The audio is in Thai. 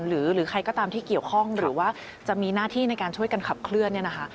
หรือใครก็ตามที่เกี่ยวข้องหรือว่าจะมีหน้าที่ในการช่วยกันขับเคลื่อนเนี่ยนะคะ